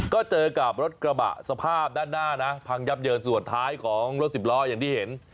ก็เจอกับรถกระบะสภาพด้านหน้านะพังยับเยินส่วนท้ายของรถสิบล้ออย่างที่เห็น